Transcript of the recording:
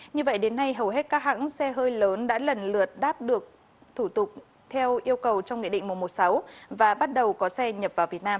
như vậy đến nay hầu hết các hãng xe hơi lớn đã lần lượt đáp được thủ tục theo yêu cầu trong nghị định một trăm một mươi sáu và bắt đầu có xe nhập vào việt nam